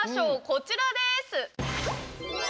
こちらです！